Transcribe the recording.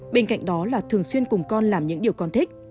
bên cạnh đó là thường xuyên cùng con làm những điều con thích